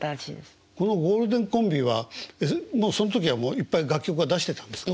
このゴールデンコンビはもうその時はいっぱい楽曲は出してたんですか？